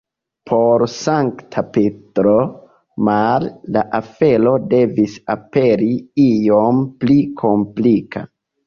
Por Sankta Petro, male, la afero devis aperi iom pli komplika.